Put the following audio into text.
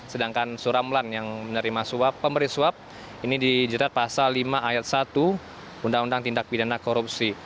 sedangkan suramlan yang menerima suap pemberi suap ini dijerat pasal lima ayat satu undang undang tindak pidana korupsi